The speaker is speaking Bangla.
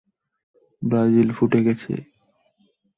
ব্রাজিল ফুটে গেছে।